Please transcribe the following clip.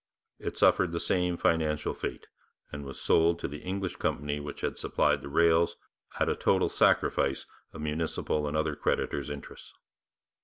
It suffered the same financial fate, and was sold to the English company which had supplied the rails, at a total sacrifice of municipal and other creditors' interests.